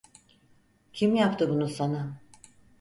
Kim yaptı bunu sana?